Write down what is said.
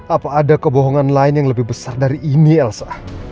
apa ada kebohongan lain yang lebih besar dari ini elsa